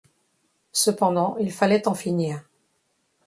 Cependant il fallait en finir.